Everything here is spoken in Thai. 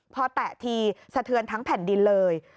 พอแตะทีสะเทือนทั้งแผ่นดินเลย